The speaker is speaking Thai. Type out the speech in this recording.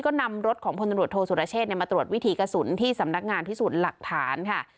ก็นำรถของพลตำรวจโทษสุรเชษมาตรวจวิถีกระสุนที่สำนักงานพิสูจน์หลักฐานค่ะ